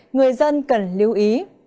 người dân cần lưu ý